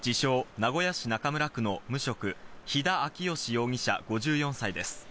・名古屋市中村区の無職、肥田昭吉容疑者、５４歳です。